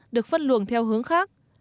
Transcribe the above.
được phân luồng theo hướng khác